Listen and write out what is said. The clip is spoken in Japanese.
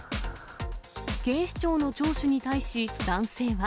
警視庁の聴取に対し、男性は。